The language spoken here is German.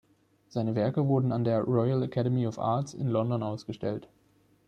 Seine Werke wurden an der Royal Academy of Arts in London ausgestellt.